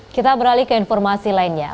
kita beralih ke informasi lainnya